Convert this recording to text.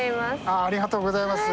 ありがとうございます。